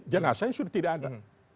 jenasanya sudah tidak ada